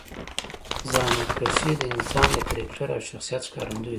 زحمتکشي د انسان د کرکټر او شخصیت ښکارندویه ده.